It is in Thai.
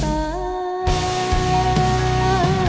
สวัสดีครับ